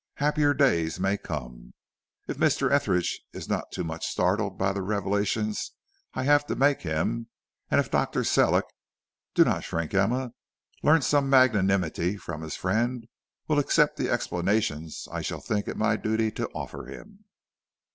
happier days may come, if Mr. Etheridge is not too much startled by the revelations I have to make him, and if Dr. Sellick do not shrink, Emma learns some magnanimity from his friend and will accept the explanations I shall think it my duty to offer him."